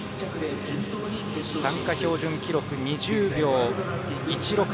参加標準記録、２０秒１６。